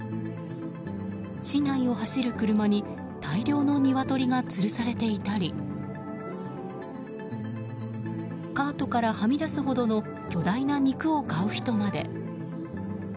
市内を走る車に大量のニワトリがつるされていたりカートからはみ出すほどの巨大な肉を買う人まで。